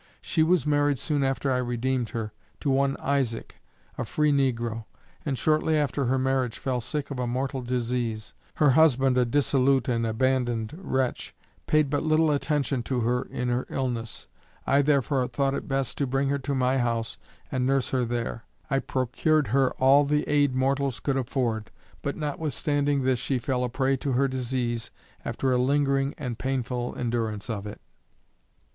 She was married soon after I redeemed her, to one Isaac, a free negro, and shortly after her marriage fell sick of a mortal disease; her husband a dissolute and abandoned wretch, paid but little attention to her in her illness. I therefore thought it best to bring her to my house and nurse her there. I procured her all the aid mortals could afford, but notwithstanding this she fell a prey to her disease, after a lingering and painful endurance of it.